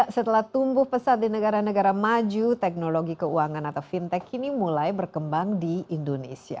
setelah tumbuh pesat di negara negara maju teknologi keuangan atau fintech ini mulai berkembang di indonesia